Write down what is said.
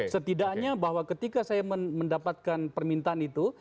setidaknya bahwa ketika saya mendapatkan permintaan itu